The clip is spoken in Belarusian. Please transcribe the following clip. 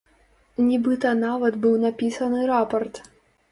Нібыта нават быў напісаны рапарт.